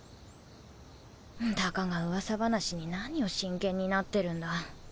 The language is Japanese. たかが噂話に何を真剣になってるんだ。